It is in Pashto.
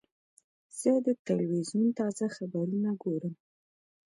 زه د تلویزیون تازه خبرونه ګورم.